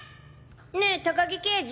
ねぇ高木刑事。